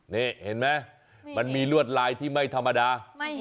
นี่เห็นไหมมันมีลวดลายที่ไม่ธรรมดา